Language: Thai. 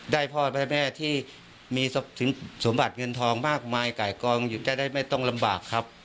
พ่อได้แม่ที่มีสมบัติเงินทองมากมายไก่กองอยู่จะได้ไม่ต้องลำบากครับ